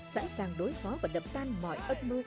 sẵn sàng đối phó và đập tan mọi âm mưu